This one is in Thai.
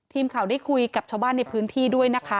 ทีมข่าวได้คุยกับชาวบ้านในพื้นที่ด้วยนะคะ